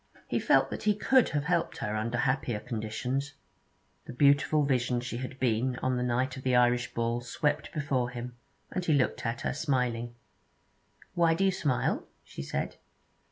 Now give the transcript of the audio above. He felt that he could have helped her under happier conditions. The beautiful vision she had been on the night of the Irish Ball swept before him, and he looked at her, smiling. 'Why do you smile?' she said.